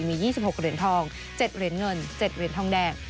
มี๒๖เหรียญทอง๗เหรียญเงิน๗เหรียญทองแดง